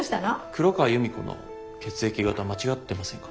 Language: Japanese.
黒川由美子の血液型間違ってませんか？